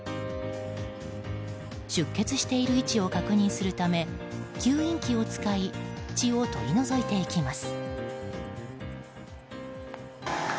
出血している位置を確認するため吸引器を使い血を取り除いていきます。